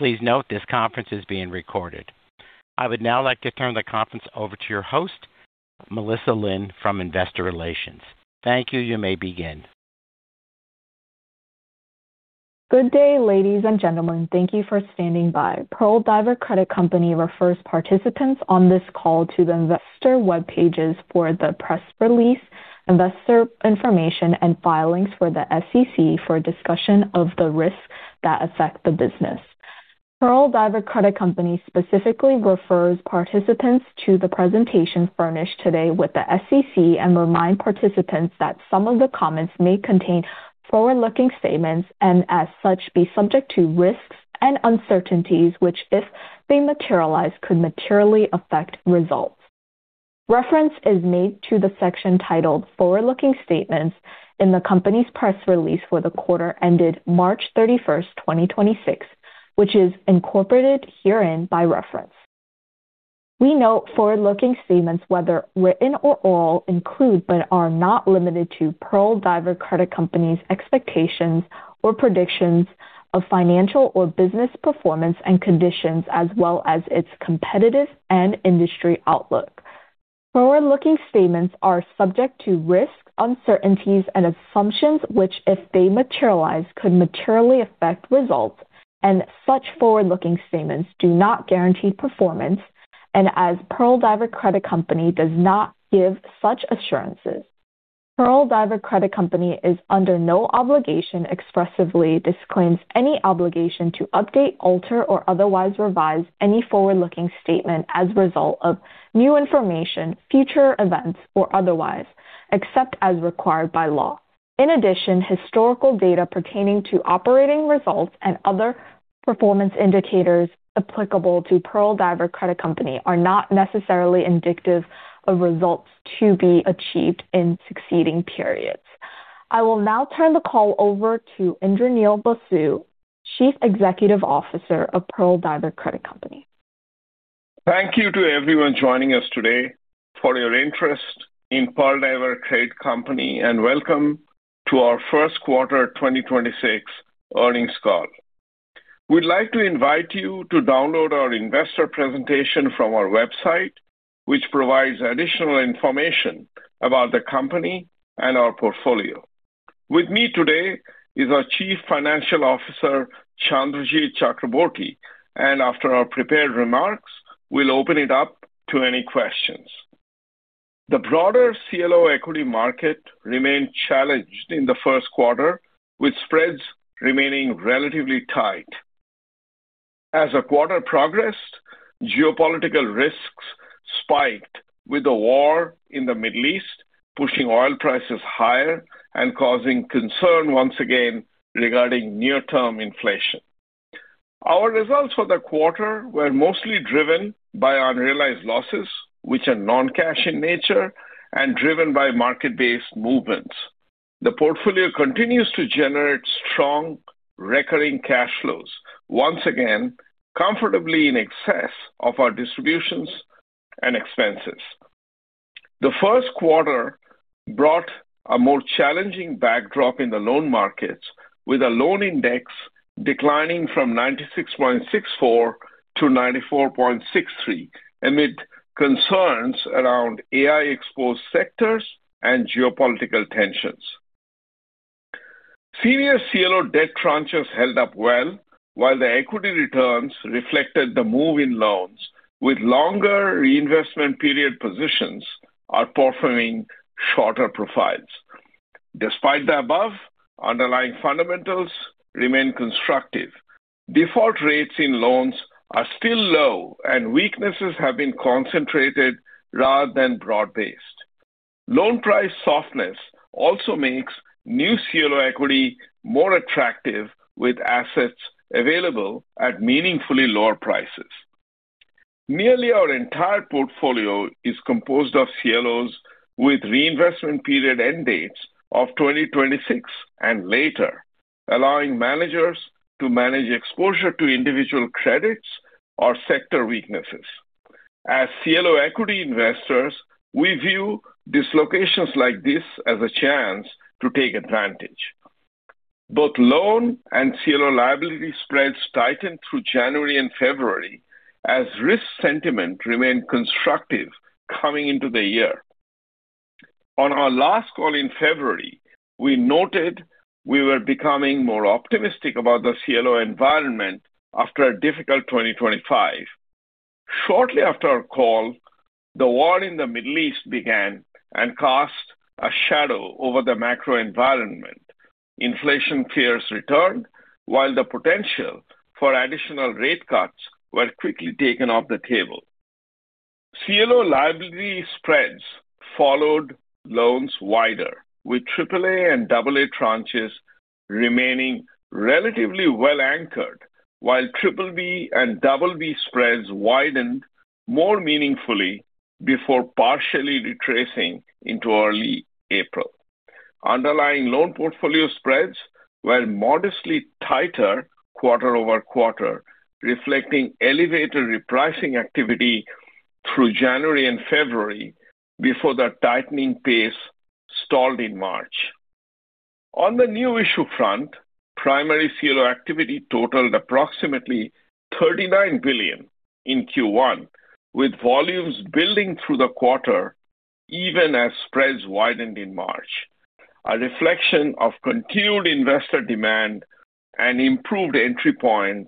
Please note this conference is being recorded. I would now like to turn the conference over to your host, Melissa Lin from Investor Relations. Thank you. You may begin. Good day, ladies and gentlemen. Thank you for standing by. Pearl Diver Credit Company refers participants on this call to the investor web pages for the press release, investor information, and filings for the SEC for a discussion of the risks that affect the business. Pearl Diver Credit Company specifically refers participants to the presentation furnished today with the SEC and reminds participants that some of the comments may contain forward-looking statements and as such, be subject to risks and uncertainties, which if they materialize, could materially affect results. Reference is made to the section titled Forward-Looking Statements in the company's press release for the quarter ended March 31st, 2026, which is incorporated herein by reference. We note Forward-Looking Statements, whether written or oral, include but are not limited to Pearl Diver Credit Company's expectations or predictions of financial or business performance and conditions, as well as its competitive and industry outlook. Forward-Looking Statements are subject to risks, uncertainties and assumptions which if they materialize, could materially affect results, and such Forward-Looking Statements do not guarantee performance and as Pearl Diver Credit Company does not give such assurances. Pearl Diver Credit Company is under no obligation, expressly disclaims any obligation to update, alter or otherwise revise any Forward-Looking Statement as a result of new information, future events or otherwise, except as required by law. In addition, historical data pertaining to operating results and other performance indicators applicable to Pearl Diver Credit Company are not necessarily indicative of results to be achieved in succeeding periods. I will now turn the call over to Indranil Basu, Chief Executive Officer of Pearl Diver Credit Company. Thank you to everyone joining us today for your interest in Pearl Diver Credit Company, and welcome to our first quarter 2026 earnings call. We'd like to invite you to download our investor presentation from our website, which provides additional information about the company and our portfolio. With me today is our Chief Financial Officer, Chandrajit Chakraborty, and after our prepared remarks, we'll open it up to any questions. The broader CLO equity market remained challenged in the first quarter, with spreads remaining relatively tight. As the quarter progressed, geopolitical risks spiked with the war in the Middle East, pushing oil prices higher and causing concern once again regarding near-term inflation. Our results for the quarter were mostly driven by unrealized losses, which are non-cash in nature and driven by market-based movements. The portfolio continues to generate strong recurring cash flows, once again comfortably in excess of our distributions and expenses. The first quarter brought a more challenging backdrop in the loan markets, with the loan index declining from 96.64 to 94.63 amid concerns around AI-exposed sectors and geopolitical tensions. Senior CLO debt tranches held up well, while the equity returns reflected the move in loans, with longer reinvestment period positions outperforming shorter profiles. Despite the above, underlying fundamentals remain constructive. Default rates in loans are still low, and weaknesses have been concentrated rather than broad-based. Loan price softness also makes new CLO equity more attractive, with assets available at meaningfully lower prices. Nearly our entire portfolio is composed of CLOs with reinvestment period end dates of 2026 and later, allowing managers to manage exposure to individual credits or sector weaknesses. As CLO equity investors, we view dislocations like this as a chance to take advantage. Both loan and CLO liability spreads tightened through January and February as risk sentiment remained constructive coming into the year. On our last call in February, we noted we were becoming more optimistic about the CLO environment after a difficult 2025. Shortly after our call, the war in the Middle East began and cast a shadow over the macro environment. Inflation fears returned, while the potential for additional rate cuts were quickly taken off the table. CLO liability spreads followed loans wider, with AAA and AA tranches remaining relatively well anchored, while BBB and BB spreads widened more meaningfully before partially retracing into early April. Underlying loan portfolio spreads were modestly tighter quarter-over-quarter, reflecting elevated repricing activity through January and February before the tightening pace stalled in March. On the new issue front, primary CLO activity totaled approximately $39 billion in Q1, with volumes building through the quarter even as spreads widened in March, a reflection of continued investor demand and improved entry point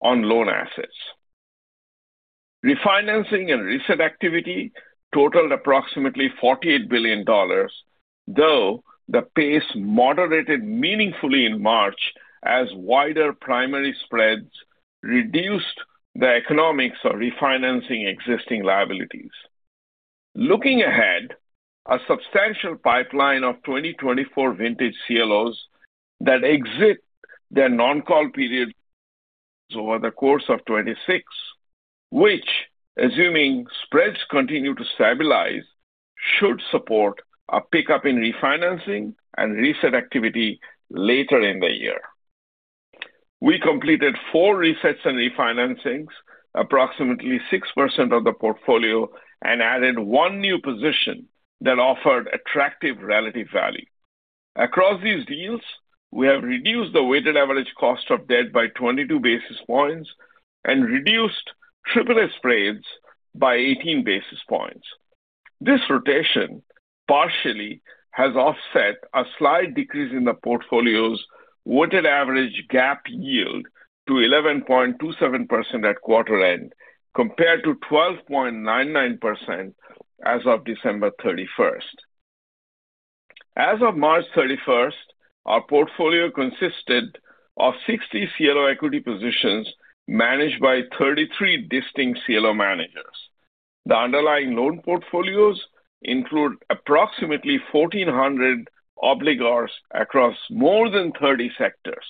on loan assets. Refinancing and reset activity totaled approximately $48 billion, though the pace moderated meaningfully in March as wider primary spreads reduced the economics of refinancing existing liabilities. Looking ahead, a substantial pipeline of 2024 vintage CLOs that exit their non-call periods over the course of 2026, which, assuming spreads continue to stabilize, should support a pickup in refinancing and reset activity later in the year. We completed four resets and refinancings, approximately 6% of the portfolio, and added one new position that offered attractive relative value. Across these deals, we have reduced the weighted average cost of debt by 22 basis points and reduced Triple A spreads by 18 basis points. This rotation partially has offset a slight decrease in the portfolio's weighted average GAAP yield to 11.27% at quarter end, compared to 12.99% as of December 31st. As of March 31st, our portfolio consisted of 60 CLO equity positions managed by 33 distinct CLO managers. The underlying loan portfolios include approximately 1,400 obligors across more than 30 sectors,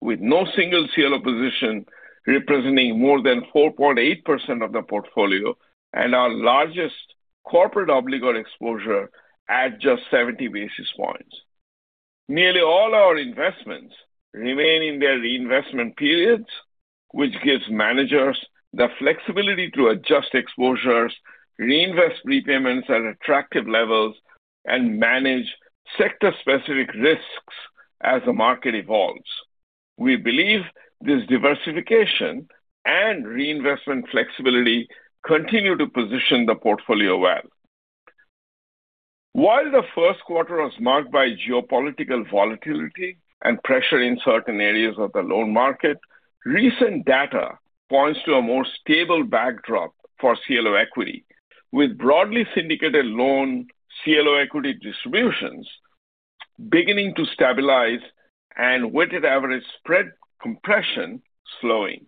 with no single CLO position representing more than 4.8% of the portfolio, and our largest corporate obligor exposure at just 70 basis points. Nearly all our investments remain in their reinvestment periods, which gives managers the flexibility to adjust exposures, reinvest repayments at attractive levels, and manage sector-specific risks as the market evolves. We believe this diversification and reinvestment flexibility continue to position the portfolio well. While the first quarter was marked by geopolitical volatility and pressure in certain areas of the loan market, recent data points to a more stable backdrop for CLO equity, with broadly syndicated loan CLO equity distributions beginning to stabilize and weighted average spread compression slowing.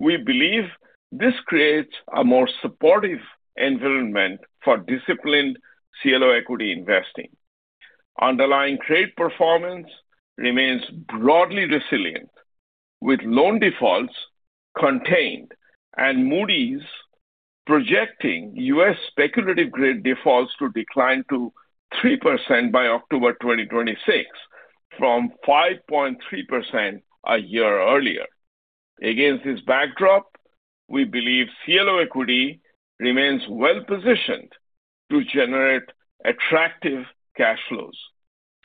We believe this creates a more supportive environment for disciplined CLO equity investing. Underlying trade performance remains broadly resilient, with loan defaults contained and Moody's projecting U.S. speculative grade defaults to decline to 3% by October 2026 from 5.3% a year earlier. Against this backdrop, we believe CLO equity remains well-positioned to generate attractive cash flows,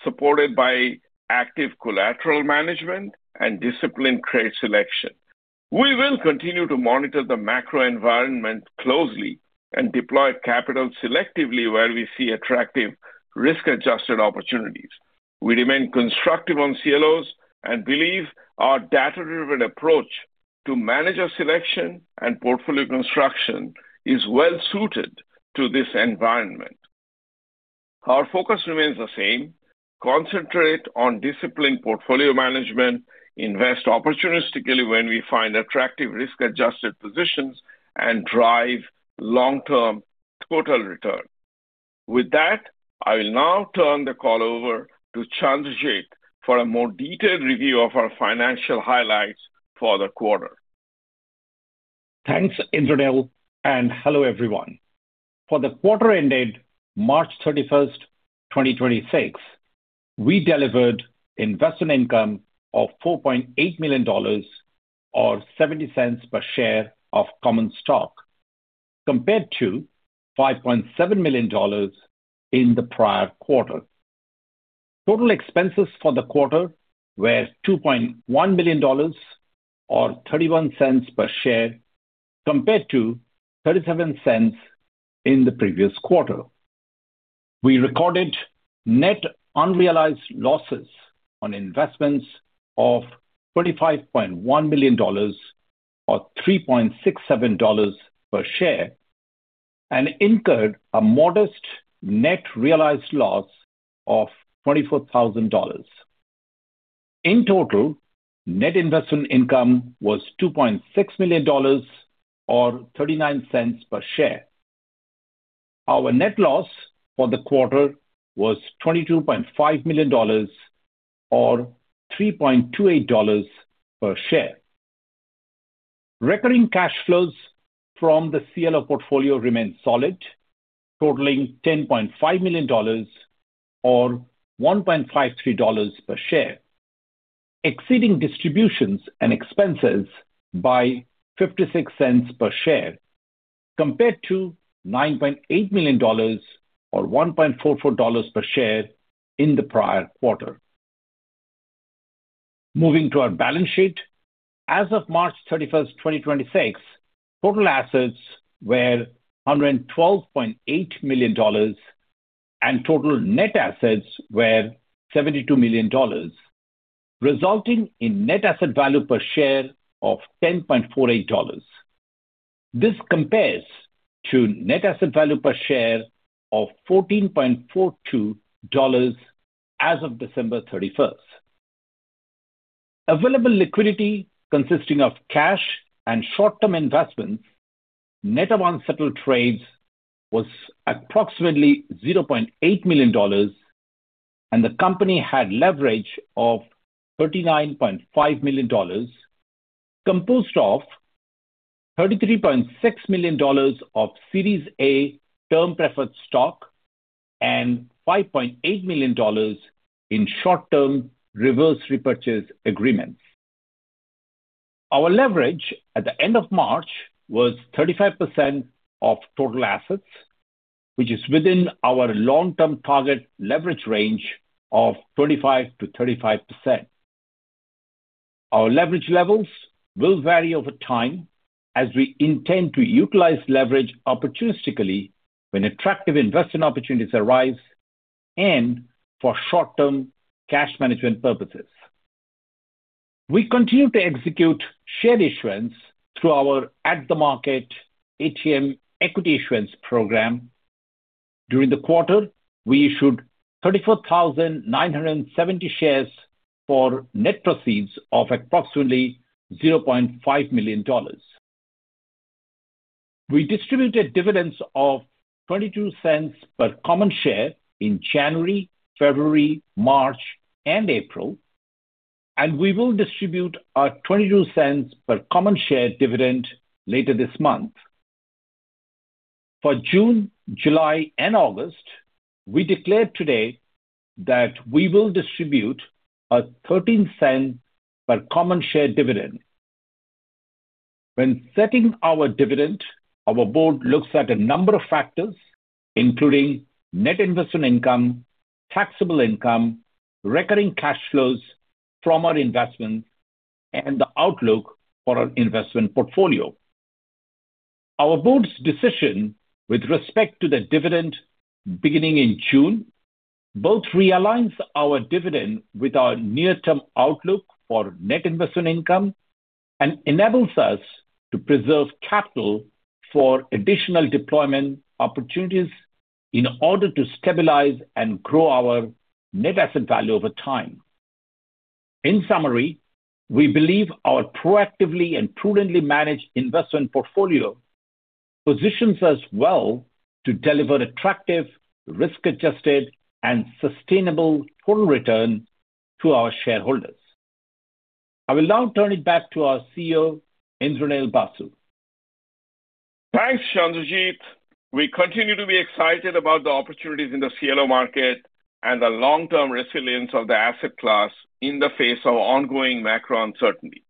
supported by active collateral management and disciplined credit selection. We will continue to monitor the macro environment closely and deploy capital selectively where we see attractive risk-adjusted opportunities. We remain constructive on CLOs and believe our data-driven approach to manager selection and portfolio construction is well suited to this environment. Our focus remains the same: concentrate on disciplined portfolio management, invest opportunistically when we find attractive risk-adjusted positions, and drive long-term total return. With that, I will now turn the call over to Chandrajit Chakraborty for a more detailed review of our financial highlights for the quarter. Thanks, Indranil. Hello, everyone. For the quarter ended March 31st, 2026, we delivered investment income of $4.8 million or $0.70 per share of common stock compared to $5.7 million in the prior quarter. Total expenses for the quarter were $2.1 million or $0.31 per share compared to $0.37 in the previous quarter. We recorded net unrealized losses on investments of $25.1 million or $3.67 per share and incurred a modest net realized loss of $24,000. In total, net investment income was $2.6 million or $0.39 per share. Our net loss for the quarter was $22.5 million or $3.28 per share. Recurring cash flows from the CLO portfolio remained solid, totaling $10.5 million or $1.53 per share, exceeding distributions and expenses by $0.56 per share compared to $9.8 million or $1.44 per share in the prior quarter. Moving to our balance sheet. As of March 31st, 2026, total assets were $112.8 million, and total net assets were $72 million, resulting in net asset value per share of $10.48. This compares to net asset value per share of $14.42 as of December 31st. Available liquidity consisting of cash and short-term investments, net of unsettled trades, was approximately $0.8 million, and the company had leverage of $39.5 million, composed of $33.6 million of Series A term preferred stock and $5.8 million in short-term reverse repurchase agreements. Our leverage at the end of March was 35% of total assets, which is within our long-term target leverage range of 35%-35%. Our leverage levels will vary over time as we intend to utilize leverage opportunistically when attractive investment opportunities arise and for short-term cash management purposes. We continue to execute share issuance through our at-the-market ATM equity issuance program. During the quarter, we issued 34,970 shares for net proceeds of approximately $0.5 million. We distributed dividends of $0.22 per common share in January, February, March, and April, and we will distribute a $0.22 per common share dividend later this month. For June, July, and August, we declare today that we will distribute a $0.13 per common share dividend. When setting our dividend, our board looks at a number of factors, including net investment income, taxable income, recurring cash flows from our investments, and the outlook for our investment portfolio. Our board's decision with respect to the dividend beginning in June both realigns our dividend with our near-term outlook for net investment income and enables us to preserve capital for additional deployment opportunities in order to stabilize and grow our net asset value over time. In summary, we believe our proactively and prudently managed investment portfolio positions us well to deliver attractive risk-adjusted and sustainable total return to our shareholders. I will now turn it back to our CEO, Indranil Basu. Thanks, Chandrajit. We continue to be excited about the opportunities in the CLO market and the long-term resilience of the asset class in the face of ongoing macro uncertainty.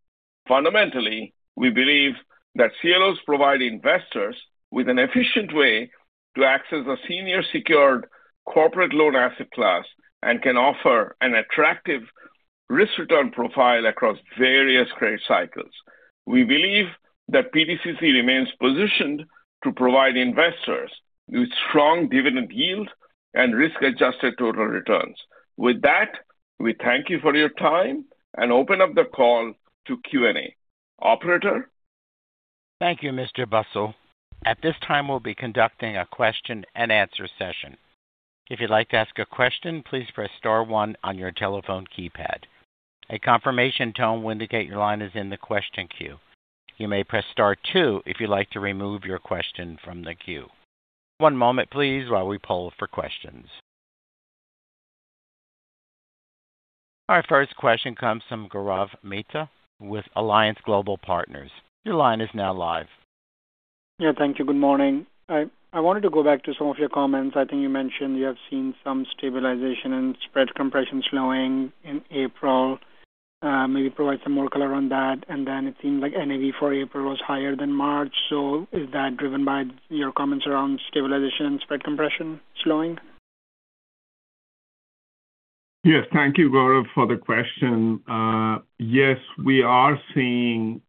Fundamentally, we believe that CLOs provide investors with an efficient way to access a senior secured corporate loan asset class and can offer an attractive risk return profile across various credit cycles. We believe that PDCC remains positioned to provide investors with strong dividend yield and risk-adjusted total returns. With that, we thank you for your time and open up the call to Q&A. Operator. Thank you, Mr. Basu. At this time, we'll be conducting a question-and-answer session. Our first question comes from Gaurav Mehta with Alliance Global Partners. Your line is now live. Yeah, thank you. Good morning. I wanted to go back to some of your comments. I think you mentioned you have seen some stabilization and spread compression slowing in April. Maybe provide some more color on that. It seems like NAV for April was higher than March. Is that driven by your comments around stabilization and spread compression slowing? Yes. Thank you, Gaurav, for the question. Yes, we are seeing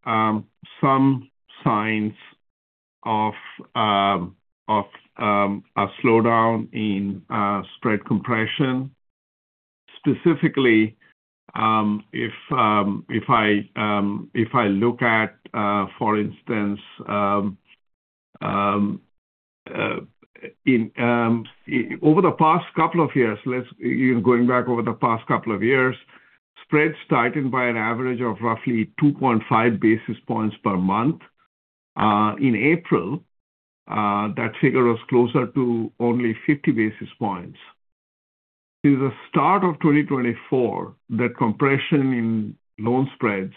some signs of a slowdown in spread compression. Specifically, if I look at, for instance, over the past couple of years, spreads tightened by an average of roughly 2.5 basis points per month. In April, that figure was closer to only 50 basis points. Since the start of 2024, the compression in loan spreads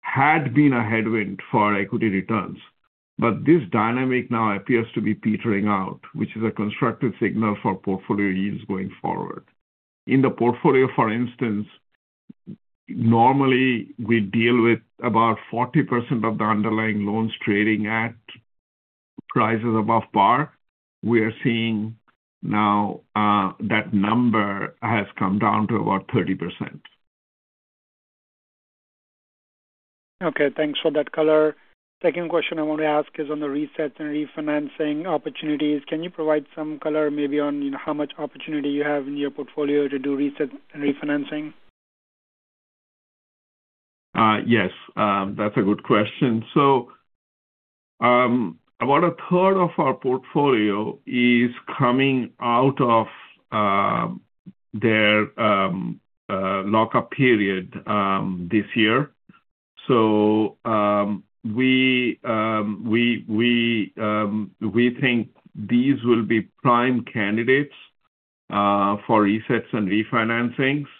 had been a headwind for equity returns. This dynamic now appears to be petering out, which is a constructive signal for portfolio yields going forward. In the portfolio, for instance, normally we deal with about 40% of the underlying loans trading at prices above par. We are seeing now, that number has come down to about 30%. Okay, thanks for that color. Second question I want to ask is on the resets and refinancing opportunities. Can you provide some color maybe on, you know, how much opportunity you have in your portfolio to do reset and refinancing? That's a good question. About a third of our portfolio is coming out of their lockup period this year. We think these will be prime candidates for resets and refinancings.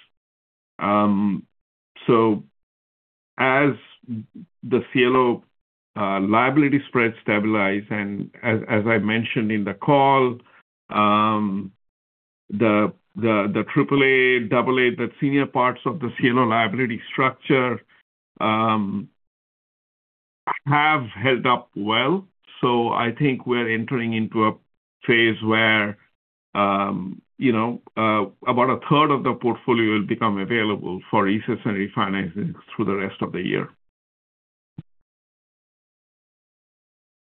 As the CLO liability spreads stabilize, and as I mentioned in the call, the AAA, AA, the senior parts of the CLO liability structure have held up well. I think we're entering into a phase where, you know, about a third of the portfolio will become available for resets and re-financings through the rest of the year.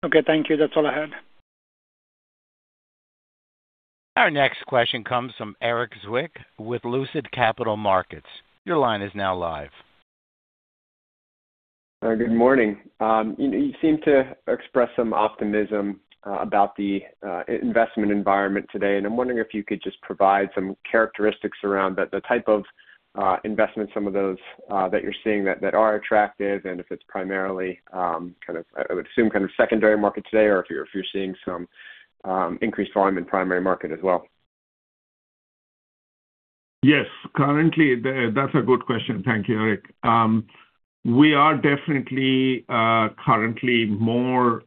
Okay, thank you. That's all I had. Our next question comes from Erik Zwick with Lucid Capital Markets. Good morning. You seem to express some optimism about the investment environment today, and I'm wondering if you could just provide some characteristics around the type of investments, some of those that you're seeing that are attractive and if it's primarily, kind of, I would assume, kind of secondary market today or if you're, if you're seeing some increased volume in primary market as well. Yes. That's a good question. Thank you, Erik. We are definitely currently more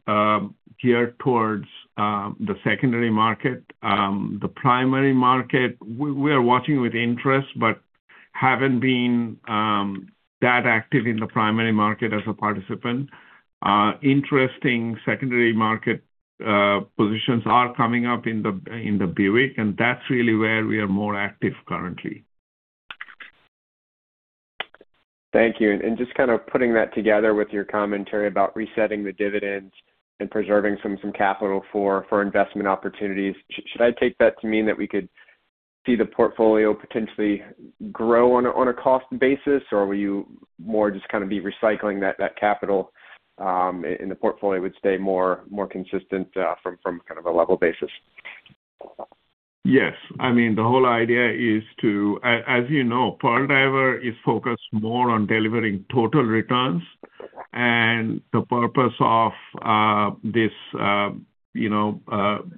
geared towards the secondary market. The primary market we are watching with interest but haven't been that active in the primary market as a participant. Interesting secondary market positions are coming up in the BWIC, and that's really where we are more active currently. Thank you. Just kind of putting that together with your commentary about resetting the dividends and preserving some capital for investment opportunities. Should I take that to mean that we could see the portfolio potentially grow on a cost basis or will you more just kind of be recycling that capital, and the portfolio would stay more consistent from kind of a level basis? Yes. I mean the whole idea as you know, Pearl Diver is focused more on delivering total returns and the purpose of this, you know,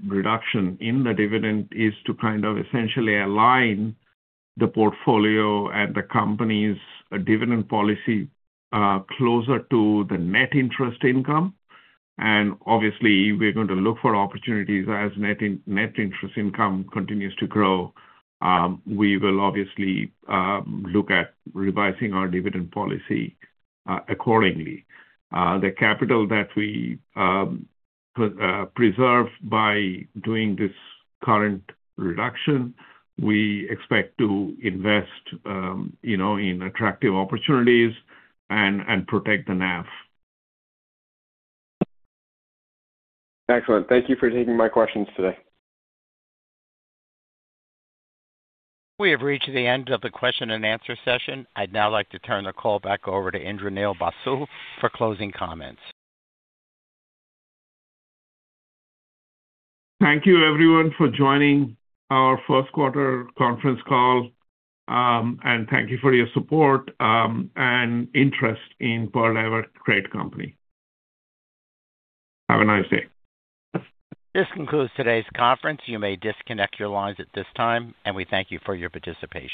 reduction in the dividend is to kind of essentially align the portfolio and the company's dividend policy closer to the net interest income. Obviously we're going to look for opportunities as net interest income continues to grow, we will obviously look at revising our dividend policy accordingly. The capital that we preserve by doing this current reduction, we expect to invest, you know, in attractive opportunities and protect the NAV. Excellent. Thank you for taking my questions today. We have reached the end of the question and answer session. I'd now like to turn the call back over to Indranil Basu for closing comments. Thank you everyone for joining our first quarter conference call, and thank you for your support, and interest in Pearl Diver Credit Company. Have a nice day. This concludes today's conference. You may disconnect your lines at this time and we thank you for your participation.